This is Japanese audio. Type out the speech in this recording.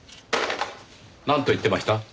なんと言ってました？